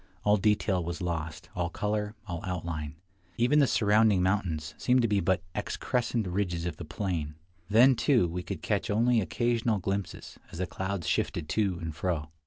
All detail was lost — all color, all outline; even the surrounding mountains seemed to be but excrescent ridges of the plain. Then, too, we could catch only occasional glimpses, as the clouds shifted to and fro.